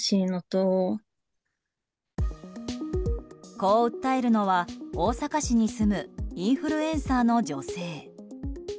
こう訴えるのは大阪市に住むインフルエンサーの女性。